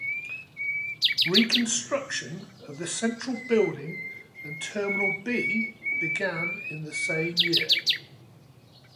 Reconstruction of the central building and Terminal B began in the same year.